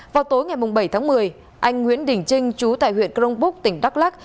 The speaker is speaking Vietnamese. vào tối ngày bảy tháng một mươi anh nguyễn đình trinh chú tại huyện crong búc tỉnh đắk lắc